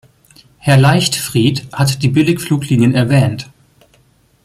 Herr Leichtfried hat die Billigfluglinien erwähnt.